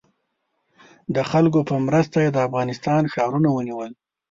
د خلکو په مرسته یې د افغانستان ښارونه ونیول.